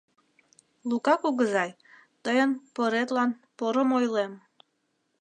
— Лука кугызай, тыйын «поретлан» порым ойлем.